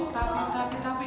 tapi tapi tapi